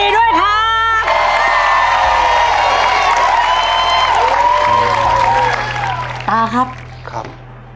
ถูกครับ